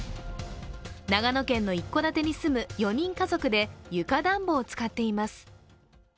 長野県の一戸建てに住む４人家族で床暖房を使っています。